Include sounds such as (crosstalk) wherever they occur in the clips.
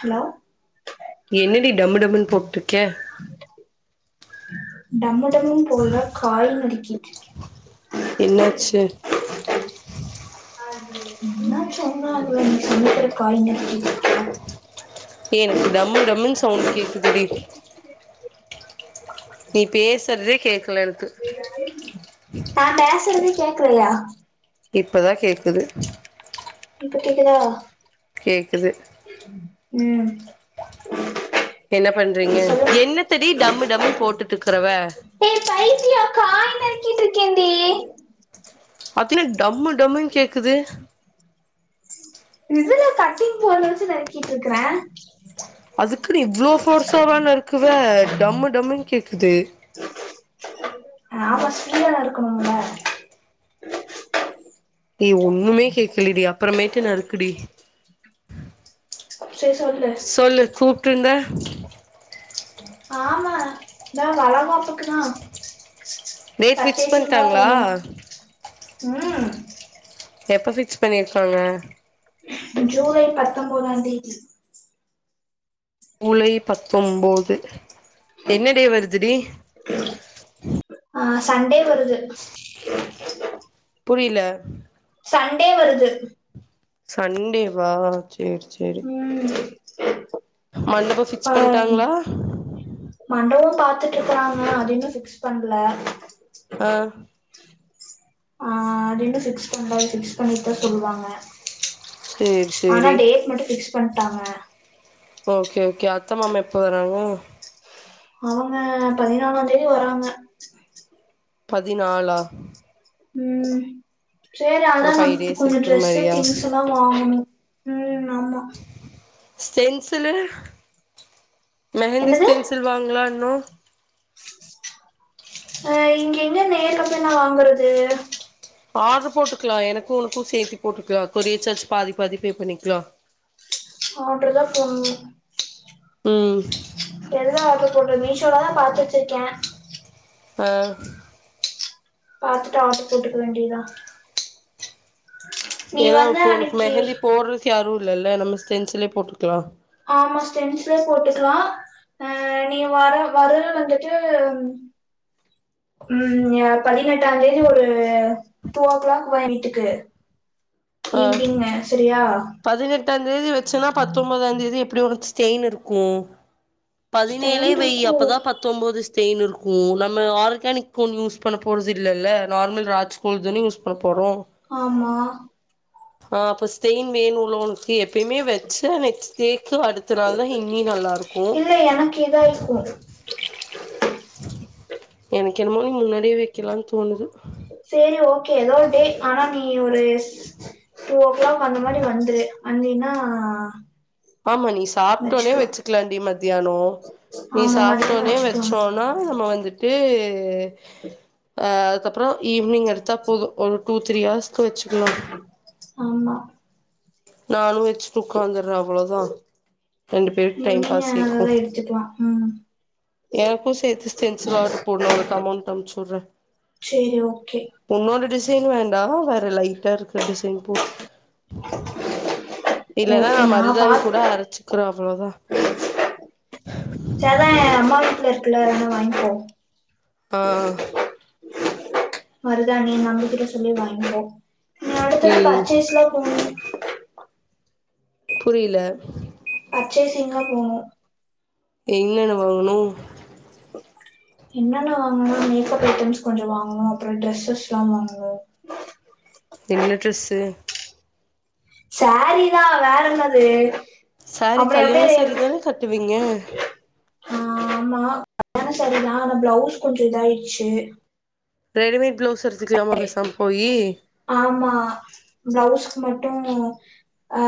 Hello என்னடி டம்மு டம்முன்னு போட்டுட்ருக்கே டாம எப்பவும் போல கால் (unintelligible) (inaudible) ஸ்ஸ்ஸ் அது என்ன சொன்ன (unintelligible) காய் நறுக்கிட்டு இருக்கற ஏ எனக்கு டம்மு டம்முனு சவுண்ட் கேக்குதுடி நீ பேசுறதே கேக்கல எனக்கு நா பேசறது கேக்கலியா இப்பதா கேக்குது இப்ப கேக்குதா கேக்குது உம் என்ன பண்றீங்க என்னத்தடி டம் டம்முன்னு போட்டுட்டு இருக்குறவ ட்டீ ஆக்சுவலி டம்மு டம்முன்னு கேக் க்குது இதுல கட்டிங் பவுல வச்சு நறுக்கிட்டு இருக்கற அதுக்குன்னு இவ்ளோ ஃபோர்சாவ நறுக்குவ டம்மு டம்முன்னு கேக்குது நாம ஸ்பீடா இருக்கணும்ல டே ஒண்ணுமே கேக்கலடி அப்புறமே ட்டு நறுக்குடி சரி சொல்லு சொல்லு கூப்ட்ருந்த (unintelligible) ஆமா ந்தா வளகாப்புக்குதா டேட் ஃபிக்ஸ் பச்சரிசி (unintelligible) பண்ட்டாங்களா பொங்கணு ம் எப்ப ஃபிக்ஸ் பண்ணிருக்காங்க ஜூலை பத்தொம்பதாம் தேதி ஊலை பத்தொம்போது என்ன டே வருதுடி ஆஹ சண்டே வருது புரில மண்டே வருது சண்டேவா சேரி சேரி (inaudible) மண்டப ஆ பிக்ஸ் பண்ணிட்டாங்களா பாத்துட் அதுனு சிக்ஸ் (inaudible) பண்ணலா ஆஹன் ஆஹ அப்பிடுனுடு பிக்ஸ் பண்றது பிக்ஸ் பண்ணிட்டு தா சொல்லுவாங்க சேரி ஆனா சேரி டேட் மட்டு பிக்ஸ் பண்ணிட்டாங்க ஓகே ஓகே அத்த மாமா எப்ப வரறாங்க அவுங்க பதினாலா தேதி வராங்க பதினாலா ம் சேரி அதா ஒரு நா ஃபைவ் டேஸ் இப்பு இருக்கிற ட்ரெஸு மாரியா திங்ஸ் எல்லா வாங்கணு உம் ஆமா ஸ்டென்சிலர் மெஹந்தி என்னது தென்சில் வாங்களானு நோ அ இங்க எங்கே நேர்லப்போய் வாங்குறது போ போ சேத்தி போட்டுக்கலாம் கொறியர் சார்ஜ் பாதி பாதி பே பண்ணிக்கலாம் அவுடதா பொண்ணு ம் என்தா அப்ப போண்ற மீஷோட தா பாத்து (unintelligible) ச்ச இருக்கேன் ஆஹ பாத்துட்டு ஆர்டு போட்டுக்க வேண்டியதா நீ ஏதா வந்து இப்ப உமக்கு அன்னைக்கு மெஹந்தி போறது யாரு ல்ல நம்ம ஸ்டென்சிலே போட்டுக்கலா ஆமா ஸ்டெண்டஸ்ல போட்டுக்கலா அஹ நீ வர வரற வந்துட்டு ம் அ படி பதினெட்டா தேதி ஒரு டூ ஓ கிளாக் வாங்கிட்டுக்கு ஆஹ பதினெட்டா தேதி வச்சுன்னா பத்தொம்பதா தேதி எப் இப்புடியோசெ (unintelligible) யின்னு இருக்கும் பதினேழே ஸ்டெயின் வய்யி இருக்கு அப்போதா பத்தொம்போது தேனிருக்கு நம்ம ஆர்கானிக் கோன் யூஸ் பண்ணப் போறது இல்லல்ல நார்மல் ராஜ்கோல் தான யூஸ் பண்ண ஆமா ஆஹ் அப்ப ஸ்டெயின் வேணுல உனக்கு எப்பவுமே வெச்சா வெச்சுட்டே சோ அடுத்த நாள்தா இன்னி நல்லா இருக்கு இல்ல எனக்கு இதா இருக்கு எனக் க்கென்னமோ முன்னாடி ப்டியே வைக்கலானு தோணுது எதோ ஒரு டே ஆனா (unintelligible) நீ ஒரு டூ ஓ கிளாக் அந்த மாரி வந்துரு வந்தீன்னா ஆமா நீ சாப்டவுன்னே வச்சுக்கலா வெச்சுக்கலாண்டி மத்தியானோ நீ ஆமா மதியானோ சாப்டவுன்னே வச்சுக்கலா வெச்சோன்னா நம்ம வந்துட் ட்டு ஆ அதுக்கப்புறோ ஈவி்னிங் எடுத்தா போது ஒரு டூ த்ரீ ஹவர்ஸ்க்கு வெச்சுக்கலா ஆமா நானு வெச்சுட்டு உக்காந்த அது அவ்ளோதா ரெண்டு பேருக்கு டைம் ஈவினிங் பாஸ் ஆயிக்கு அததான் எடுத்துக்கலாம் ம் எனக்கு சேத்து ஸ்டென்ஸில் ஆர்டர் போடு நா உனக்கு அமௌன்ட் அனுப்புச்சுவிட்றே சரி ஓகே உன்னோட டிஷ் டிசைன் வேண்டா வேற லைட்டா இருக்குற டிசைன் போடு (inaudible) இல்லனா நா ஓகே நான் பா மருதாணி கூட அரச்சுக்குற அவ்ளோதா ட்ல இருந்தா வாங்கிப்போ ஆஹ் மருதாணி நம்பகிட்ட சொல்லி வாங்குறோ இன்ன அடுத்தது ம் பர்சேஸ்லா போகணு புரியில பர்சேசிங்லா போனோ என்னென்ன வாங்கணு என்னென்ன வாங்கணுன்னா மேக்கப் ஐட்டம்ஸ் கொஞ்ச வாங்கணு அப்றோ ட்ரெஸ்ஸஸ்லா வாங்கணு என்ன ட்ரெஸ்ஸு சாரீதா வேற என்னது சாரி அப்புறம் கல்யாண எப்படி சாரிதான கட்டுவீங்க ஆஹ் ஆமா கல்யாண சாரிதா ஆனா பிளவுஸ் கொஞ்சோ இதாயிடுச்சு ரெடிமேட் ப்ளவுஸ் தெரிஞ்சுக்கலாமா பேசாம போயி ஆமா பிளவுஸ்க்கு மட்டு அ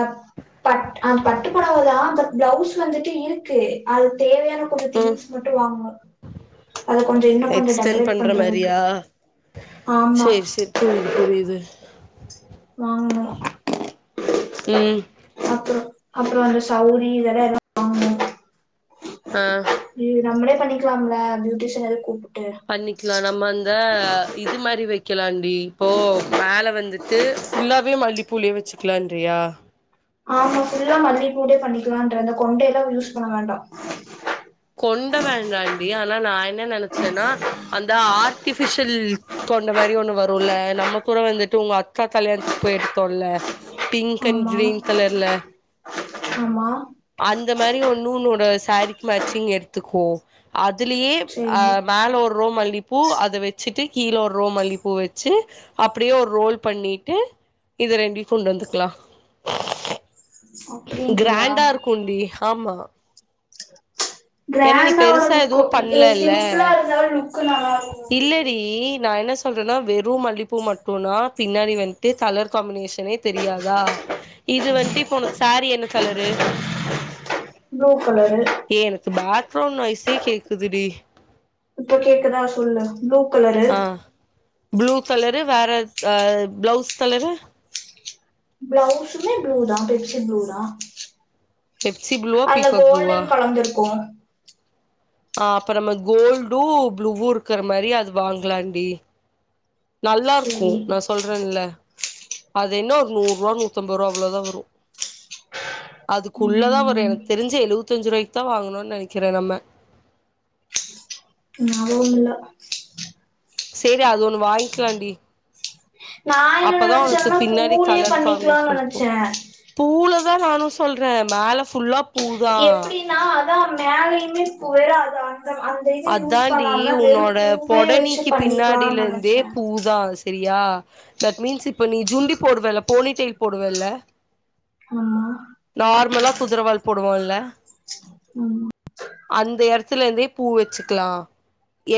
பட் ஆ பட்டுப்பொடவதா பட் பிளவுஸ் வந்துட்டு இருக்கு அது தேவ தேவப்படுற ம் திங்ஸ் மட்டு வாங்கனு அத கொஞ்ச இன்னோ கொஞ்ச எக்ஸ்டெண்ட் டெக்கரேட் பண்ற பண்றதுக்கு மாரியா ஆமா அ வாங்குனு ம் அப்புறோ அப்புறோ அந்த சௌரி இதெல்லா வாங்குனு ஆ ம் நம்முளே பண்ணிக்கலாம்லா பியூட்டிஷன் இதையோ கூப்டு பண்ணிக்கிலா நம்ம அந்த இது மாரி வெக் க்கிலான்டி இப்போ மேல வந்துட்டு ஃபுல்லாவே மல்லிப்பூலியே வெச்சுக்கலான்ரியா ஆமா ஃபுல்லா மல்லிப்பூலயே பண்ணிறலான்றத அந்த கொண்டைலா யூஸ் பண்ண வேண்டா கொண்ட வேண்டாண்டி அனா நா என்ன நெனச்சன்னா அந்த ஆர்டிபிஷில் கொண்ட மாரி ஒண்ணு வருல்ல நம்ம கூட வந்துட்டு உங்க அக்கா கல்யாணத்துக்கு போய்யெடுத்தோல பிங்கன் ஆமா கிரீன் கலர்ல ஆமா அந்த மாரி ஒண்ணு உன்னோட சாரீக்கு மேச் சீங் எடுத்துக்கோ அத் திலியேப் சேரி ஆஹ மேல ஒர் ரோ மல்லிப்பூ அத வெச்சுட்டு கீல ஒரு ரோ மல்லிப்பூ வெச்சு அப்டியே ஒரு ரோல் பண்ணிட்டு இத ரெண்டி கொண்டு வந்துக்குலா அப்டின்றியா கிராண்டாயிருக்குன் டி ஆமா ஏன்னா நீ கிராண்டா ஒரு பெருசா லுக்கு எதுவு ஏ பண்லல்ல சிம்புளா இருந்தாலு லுக்கு நல்லாயிருக்குடி சொல்றன்னா வெரு மல்லிப்பூ மட்டுனா பின்னாடி வண்ட்டு கலர் காம்மினேஷனே தெரியாதா இது வண்ட்டு இப்போ உனக் சாரீ என்ன கலரு ப்ளூ கலரு ஃரோன் நோயிஸ்ஸே கேக்குது டி இப்ப கேக்குதா சொல்லுங் ப்ளூ கலரு ஆ ப்ளூ கலரு வேற எத்தாவ் ப்ளவுஸ் கலரு ப்ளவுஸ்சுமே ப்ளூதா தெச் ச்சந்தூரா பெப்சி ப்ளூவா அதுல பீகாக் ப்ளூவா கோல்டன் கலந்துருக்கு ஆஹ அப்பறம்ம கோல்டு ப்ளூவ்வு இருக்குறா மாரி அது வாங்கலாண்டி நல்லாருக்கு சேரி நா சொல்றேன்ல அது என்ன ஒர் நூறுவா நூத்தம்பரூவா அவுளோதா வரு அதுக்குள்ளதா வரு ம் எனக் தெரிஞ்சு எழுவத்தஞ்சு ரூவாய்க்குதா வாங்குணோன்னு நெனைக்கிறே நம்ம ஞாபகோமுல்ல சேரி அது ஒண்ணு வாங்கிலாண்டி நா என்ன நெனச்சன்னா பூலியே கலர் பண்ணிக்கலான் நெனச்சே அதா நானு சொல்றே மேல ஃபுல்லாப் எப்டின்னா அ க்கா மேலயுமே ஃபு வெறு அதா அதாண்டி உன்னோட பூவே வச்சு பொடனிக்கி பண்ணிக்கலானு பின்னாடியிருந்தே நெனச்சே பூதா சே செரியா தட் மீன்ஸ் இப்ப நீ ஜுண்டி போடுவல்ல போனி டெயில் போடுவல்ல ஆமா நார்முல்லாப் குதரவால் போடுவோம்ல்ல உம் அந்த இடத்துல இருந்து பூ வச்சுக்கலாம்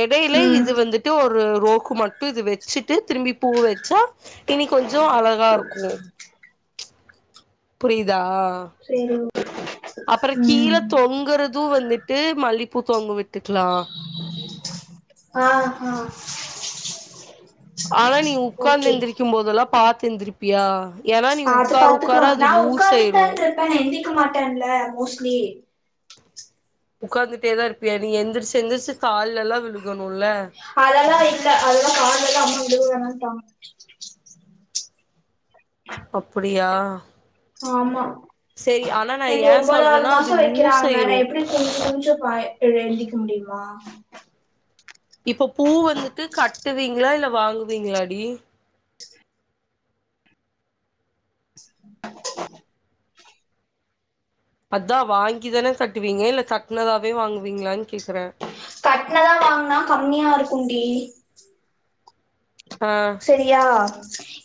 இடையில ம் இது வந்துட்டு ஒரு ரோக்கு மட்டும் இது வச்சுட்டு திரும்பி பூ வச்சா இனி கொஞ்சம் அலகா இருக்கும் புரியுதா சரி அப்புறம் கீழே தொங்குறதும் வந்துட்டு மல்லி பூதொங்க ஆஹ்ஆஹ் (inaudible) ஆனா நீ உக்காந்து எந்திருக்கும்போதெல்லா பார்த்திருந்துருப்பியா அத பாத்துக்கலாம் நான் ஆயிரு உட்காந்துட்டான் இருப்பேன் எந்திக்க மாட்டேன்ல மோ ஏய் உட்கார்ந்துட்டே தான் இருப்பிய நீ எந்திரிச்சு எந்திரிச்சு கால்ல எல்லாம் விழுகணும்ல அதெல்லாம் இல்ல அதெல்லாம் காலல்லாம் அ அது வேண்ட அப்படியா ஆமா சரி ஆனா நா எண்டி ஏ ஒன்பதாவது சொல்றேன்னா அது மாசம் லூஸ் வைக்கிறாங்க ஆயிரு நான் எப்படி குஞ்சு குஞ்சு ப எந்திக்க முடியுமா இப்ப பூ வந்துட்டு கட்டுவீங்களா இல்ல வாங்குவீங்களாடி அதான் வாங்கிதானே கட்டுவீங்க இல்ல கட்டுனதாவே வாங்குவீங்களான்னு கேக்குறேன் கட்டினதா வாங்கினா கம்மியா இருக்கும்டி ஆ சரியா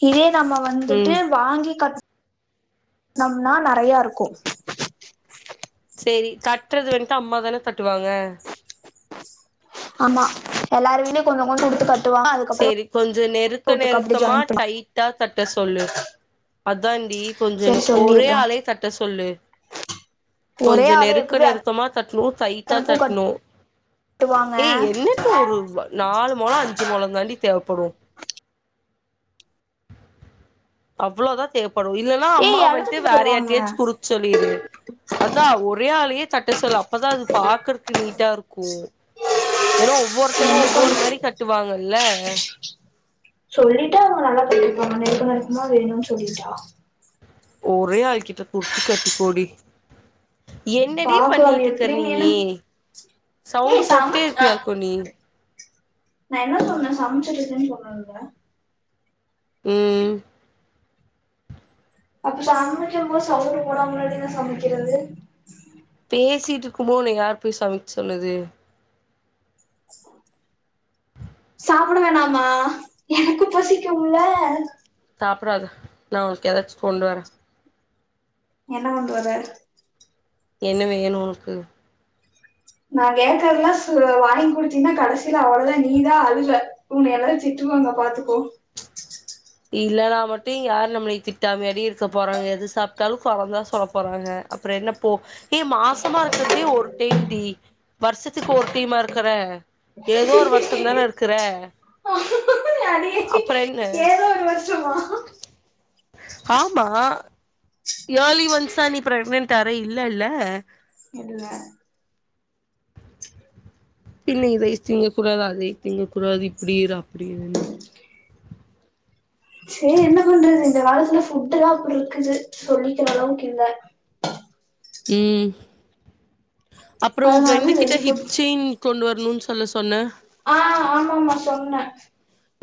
இதே நம்ம வந்துட்டு ம் வாங்கி கட்ட நம்னா நிறையா இருக்கும் சரி கட்டுறது வந்துட்டு அம்மாதானே தட்டுவாங்க ஆமா எல்லாரு வலயும் கொஞ்சம் கொஞ்சம் கொடுத்து கட்டு சரி கொஞ்சம் நெருக்க அப்டி நெருக்கமா ஜாயின் பண்லா டைட்டா தட்ட சொல்லு அததண்டி கொஞ்ச சரி ஒரே சொல்லிர்றே ஆலே தட்ட சொல்லு ஒரே கொஞ்சம் ஆளே நெருக்க எப்படி நெருக்கமா தட்டணும் டைட்டா அத்தனை பூ தட்டணும் கட்டுவாங்க ஏய் என்னடி ஒரு நாலு முலம் அஞ்சு மூலம் தாண்டி தேவப்படும் அவ்வளோதான் தே வரும் இல்லனா ஏய் அம்மா வந்ட்டு எல்லாத்துக்கும் வேற கட்டுவாங்க யார்ட்டயாச்சு குடுக் சொல்லிரு அதான் ஒரே ஆலயே கட்ட சொல்லு அப்பதான் அது பாக்குறக்கு நீட்டா இருக்கும் ஏன்னா ஒவ்வொருத்தவங்க என்ன ஒவ்வொரு பண்ண மாதிரி கட் விட்டு வாங்கல்ல சொல்லிட்டா அவங்க நல்லா கட்டிக்குவாங்க நல்லா நெருக்க நெருக்குமா வேணும்னு சொல்லிட்டா ஒரே ஆள்கிட்ட குடுத்து கட்டிக்கோடி என்னடி பாக்கலாம் பண்ணிட்டு அது இருக்கற எப்படின்னு ஏன்னா நீயே சவுண்ட் ஏய் போட்டே சமைச்ச இருப்பியாக்கும் நீ நான் என்ன சொன்னேன் சமச்சிட் இருக்கன்னு சொன்னன்ல உம்ம் அப்புறம் சமைக்கமோது (unintelligible) எப்டி நா சமைக்கிறது பேசிட்டு இருக்குமோது உன்னைய யார் போய் சமைக் சொன்னது சாப்பிட வேணாமா எனக்கு பசிக்கும்ல அப்பறம்து நான் அவ க எதச்ச கொண்ட வர என்ன பன்றது என்ன வேணும் உனக்கு நான் கேக்றதல்லாம் வாங்கி குடுத்தீங்ன்னா கடசியில அவ்வளதான் நீதா அலுவ உன எல்லாவ திட்டுவாங்க பாத்துகோ இல்லான மட்டும் யாரு நம்மளை திட்டாமடி இருக்க போறாங்க எது சாப்பிட்டாலும் குரதா சொல்ல போறாங்க அப்புறம் என்ன போ ஏ மாசமா இருக்கிறதே ஒரு டைம் டி வருஷத்துக்கு ஒரு டைமா இருக்கற ஏதோ ஒரு வருஷம் தானே இருக்கற அது அப்புறம் என்ன ஏதோ ஒரு வருஷமா ஆமா யாலி ஒன்சானி பிரெக்னன்ட் ஆரா இல்ல இல்ல இல்ல பின்ன இதை திங்க கூடாது அதே திங்க கூடாது இப்படிற அப்படிறனா சேரி என்ன பண்றது இந்த காலத்துல புஃட்டு் எல்லா அப்டி இருக்குது சொல்லிக்கிற அளவுகில்ல ம் அப்புறம் உன் அதனாலதா ஃப்ரெண்டு கிட்ட வெளி ஃபுட் ஹிப் செயின் கொண்டு வர ம்னு சொல்ல சொன்னேன் ஆஹ் ஆமா ஆமா சொன்னேன்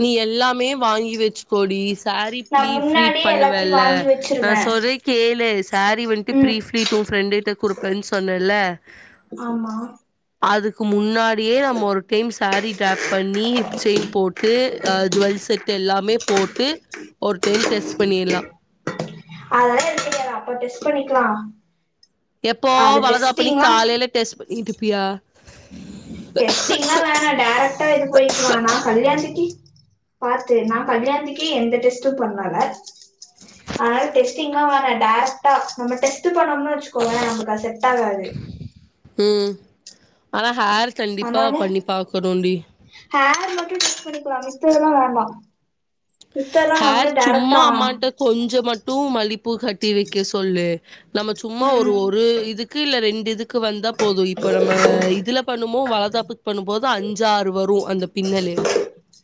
நீ எல்லாமே வாங்கி வச்சு கோடி சாரி நா பரிபிலிட் முன்னாடியே பண்ணுவ எல்லாத்தையு இல்லா வாங்கி ந வச்சிருவே சொல்ரே கேளேசாரி வந்துட்டு ம் பிரிபிலிட்உ பிரண்டுகிட்ட குடுப்பேன்னு சொன்னால்லா ஆமா அதுக்கு முன்னாடியே நம்ம ஒரு டைம்ஸ் சாரி டேராப்பண்ணி செயின் போட்டு ட்டு அஹ் ஜுவல் செட் எல்லாமே போட்டு ஒரு டைம் டெஸ்ட் பண்ணிடலாம் அதெல்லாம் இருக்கங்க அப்ப டெஸ்ட் பண்ணிக்கலாம் எப்போ வலகாப்பு அன்னிக்கி காலையில டெஸ்ட் பண்ணிட்டு இருப்பியா டெஸ்டிங்கல்லாம் வேணா டேரக்ட்டா எது போயிக்கலா னா கல்யாணத்துகே பாத்து நான் கல்யாணத்துக்கே எந்த டெஸ்டும் பண்ணால அதனால டெஸ்டிங்கெல்லாம் வேணா டேரக்டா நம்ம டெஸ்ட் டெஸ்டு பண்ணோம்னு வச்சுக்கோவேன் நமளுக்கு செட் ஆகாது ம். ஆனா ஹேர் கண்டிப்பா பண்ணி பாக்குனோம்டி ஹர் மட்டும் டெஸ் பண்ணிக்கலாம் மித்தது எல்லாம் வேண்டாம் ஹேர் சும்மா அம்மாகிட்ட கொஞ்சமா டூ மல்லிப்பூ கட்டி வைக்க சொல்லு நம்ம சும்மா ஒரு ம் ஒரு இதுக்கு இல்ல ரெண்டு இது க்கு வந்தா போதும் இப்ப நம்ம இதுல பண்ணுமோ வளகாப்புக்கு பண்ணும்போது அஞ்சு ஆறு வரும் அந்த பின்னலே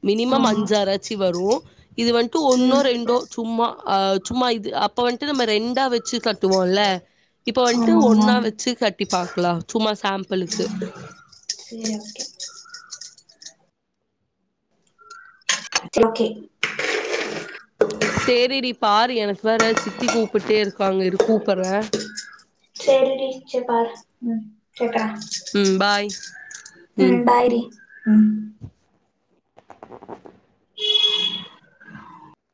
மினிமம் ஆமா அஞ்சு ஆறாச்சு வரும் இது வந்துட்டு ஒன்னோ ம் ரெண்டோ சும்மா ஆஹ் சும்மா இது அப் இப்ப வந்துட்டு நம்ம ரெண்டா வச்சு கட்டுவோம்ல்ல இப்ப வந்துட்டு ஆமா ஆமா ஒன்னா வச்சு கட்டி பாக்கலாம் சும்மா சாம்பிலுக்கு சேரி ஓகே ஓகே சேரி டி பாரு எனக்கு வேற சித்தி கூப்பிட்டே இருக்காங்க இரு கூப்பறே சேரி டி ச்செர் பாரு உம் ம் பாய் உம் ம் பாய் டி உம் (inaudible)